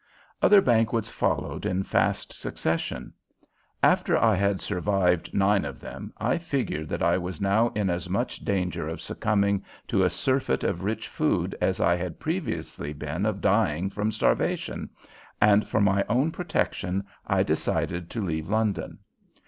Other banquets followed in fast succession. After I had survived nine of them I figured that I was now in as much danger of succumbing to a surfeit of rich food as I had previously been of dying from starvation, and for my own protection I decided to leave London.